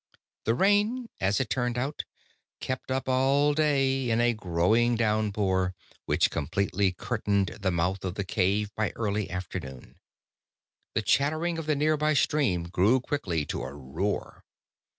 The rain, as it turned out, kept up all day, in a growing downpour which completely curtained the mouth of the cave by early afternoon. The chattering of the nearby stream grew quickly to a roar.